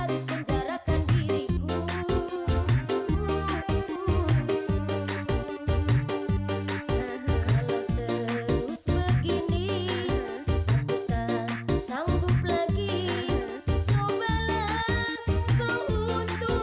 tepat tepat tepat